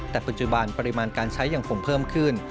แต่ปัจจุบันปริมาณการใช้ยังคงเพิ่มขึ้น